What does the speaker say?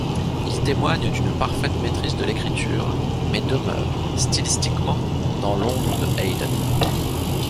Ils témoignent d'une parfaite maîtrise de l'écriture, mais demeurent, stylistiquement, dans l'ombre de Haydn.